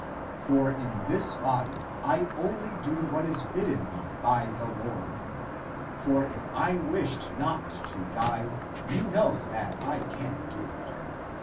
For in this body I only do what is bidden me by the Lord. For if I wished not to die, you know that I can do it.